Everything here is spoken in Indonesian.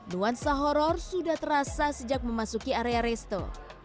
nuansa horror sudah terasa sejak memasuki area resto